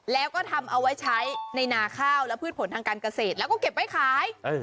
แล้วก็ทำเอาไว้ใช้ในนาข้าวและพืชผลทางการเกษตรแล้วก็เก็บไว้ขาย